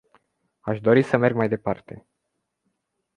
Aș dori să merg mai departe.